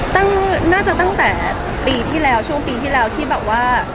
น่าจะตั้งแต่ปีที่แล้วช่วงปีที่แล้วที่แบบว่า